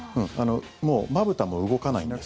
もうまぶたも動かない。